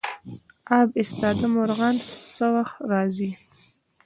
اب ایستاده مرغان څه وخت راځي؟